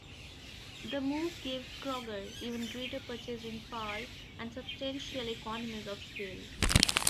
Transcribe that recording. The move gave Kroger even greater purchasing power and substantial economies of scale.